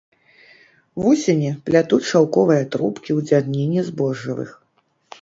Вусені плятуць шаўковыя трубкі ў дзярніне збожжавых.